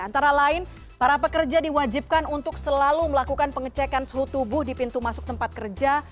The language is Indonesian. antara lain para pekerja diwajibkan untuk selalu melakukan pengecekan suhu tubuh di pintu masuk tempat kerja